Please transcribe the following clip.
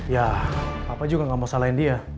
ya papa juga gak mau salahin dia